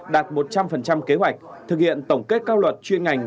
đạt một trăm linh kế hoạch thực hiện tổng kết các luật chuyên ngành